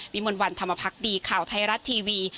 วิมวันวันธรรมพักษ์ดีข่าวไทยรัฐทีวี